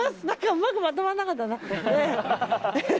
何か、うまくまとまらなかったな。